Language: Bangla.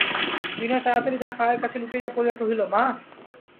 বিনয় তাড়াতাড়ি তাঁহার পায়ের কাছে লুটাইয়া পড়িয়া কহিল, মা!